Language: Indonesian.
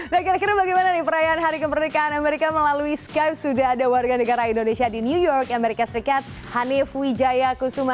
nah kira kira bagaimana nih perayaan hari kemerdekaan amerika melalui skype sudah ada warga negara indonesia di new york amerika serikat hanif wijaya kusuma